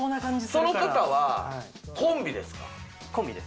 その方はコンビですか？